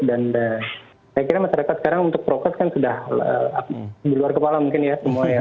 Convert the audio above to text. dan saya kira masyarakat sekarang untuk progres kan sudah keluar kepala mungkin ya